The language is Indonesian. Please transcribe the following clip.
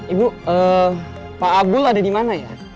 ibu pak abdul ada di mana ya